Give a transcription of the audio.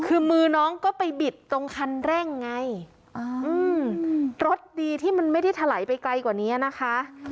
คือมือน้องก็ไปบิดตรงคันเร่งไงรถดีที่มันไม่ได้ถลายไปไกลกว่านี้นะคะ